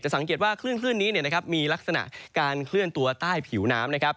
สังเกตว่าคลื่นนี้มีลักษณะการเคลื่อนตัวใต้ผิวน้ำนะครับ